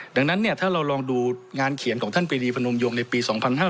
ดังนั้นถ้าเราลองดูงานเขียนของท่านปรีดีพนมยงในปี๒๕๕๙